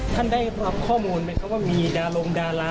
ท่านได้รับข้อมูลไหมครับว่ามีดารงดารา